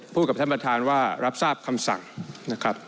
กับท่านประธานว่ารับทราบคำสั่งนะครับ